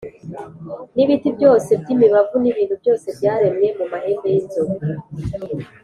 n’ibiti byose by’imibavu n’ibintu byose byaremwe mu mahembe y’inzovu,